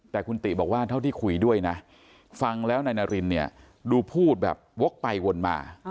แต่คุณติบอกว่าเท่าที่คุยด้วยนะฟังแล้วนายนารินเนี่ยดูพูดแบบวกไปวนมา